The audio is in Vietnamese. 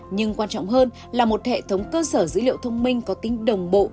nhưng quan trọng hơn là một hệ thống cơ sở dữ liệu thông minh có tính đồng bộ